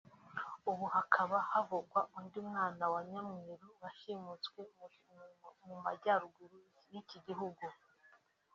ubu hakaba havugwa undi mwana wa nyamweru washimutswe mu majyaruguru y’iki gihugu